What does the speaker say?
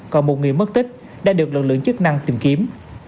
còn một người mất tích đã được lực lượng chức năng tìm kiếm